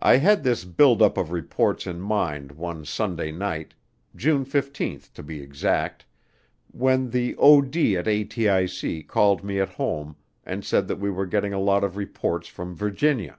I had this build up of reports in mind one Sunday night, June 15 to be exact, when the OD at ATIC called me at home and said that we were getting a lot of reports from Virginia.